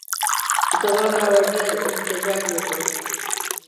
زما ګاونډیانو احتجاج وکړ.